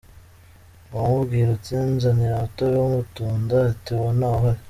Wamubwira uti nzanira umutobe w’amatunda ati uwo ntawuhari”.